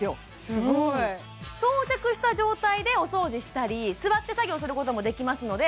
すごい装着した状態でお掃除したり座って作業することもできますので